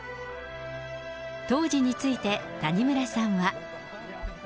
当時について谷村さんは。